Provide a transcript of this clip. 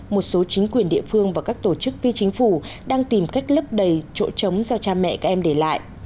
một số chính quyền địa phương và các tổ chức phi chính phủ đang tìm cách lấp đầy chỗ trống do cha mẹ các em để lại